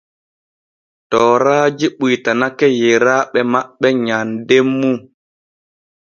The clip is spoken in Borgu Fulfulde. Tooraaji ɓuytanake yeeraaɓe maɓɓe nyanden mum.